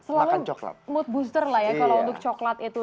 selalu mood booster lah ya kalau untuk coklat itu